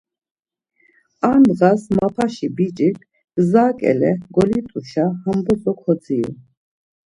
Ar ndğas mapaşi biç̌ik gza ǩele golit̆uşa ham bozo kodziru.